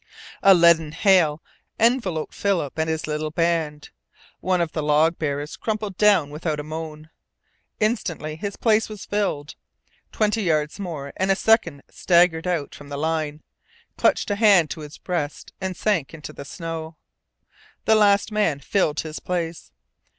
A leaden hail enveloped Philip and his little band. One of the log bearers crumpled down without a moan. Instantly his place was filled. Twenty yards more and a second staggered out from the line, clutched a hand to his breast, and sank into the snow. The last man filled his place.